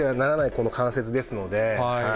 この関節ですので。